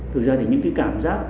thực ra thì những cái cảm giác